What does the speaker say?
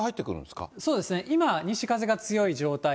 そうですね、今、西風が強い状態。